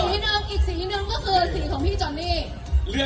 อีกสีหนึ่งก็คือสีของพี่จอนนี่